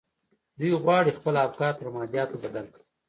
دوی غواړي خپل افکار پر مادياتو بدل کړي.